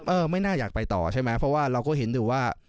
ไม่น่าอยากไปต่อใช่ไหมเพราะว่าเราก็เห็นอยู่ว่า